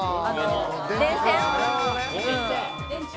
電線。